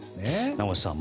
名越さん